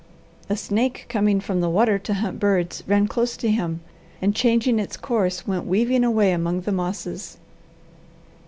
A snake coming from the water to hunt birds ran close to him, and changing its course, went weaving away among the mosses.